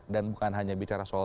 dan bukan hanya bicara soal